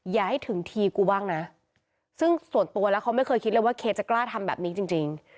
อย่าให้ถึงทีกูบ้างนะซึ่งส่วนตัวแล้วเขาไม่เคยคิดเลยว่าเคสจะกล้าทำแบบนี้จริง